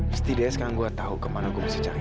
mesti dia sekarang gua tahu kemana gue bisa cari